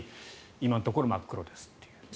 今のところ真っ黒ですと。